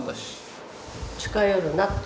「近寄るな」って。